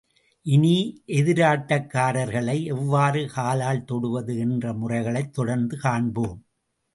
இனி, எதிராட்டக்காரர்களை எவ்வாறு காலால் தொடுவது என்ற முறைகளைத் தொடர்ந்து காண்போம்.